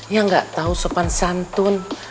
yang gak tahu sopan santun